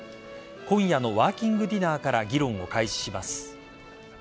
今夜のワーキングディナーから議論を開始します。